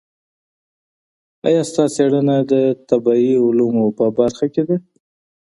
ایا ستا څېړنه د طبعي علومو په برخه کي ده؟